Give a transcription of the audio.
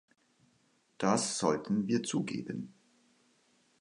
Das sollten wir zugeben.